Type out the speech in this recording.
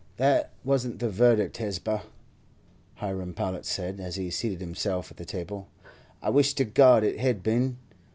"That wasn't the verdict, Hesba," Hiram Powlett said, as he seated himself at the table; "I wish to God it had been.